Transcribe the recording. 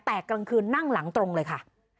แต่กลางคืนนั่งหลังตรงเลยค่ะ